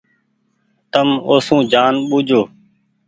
تم او سون جآن ٻوجوُ ۔